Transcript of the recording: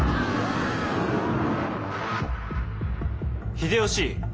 秀吉！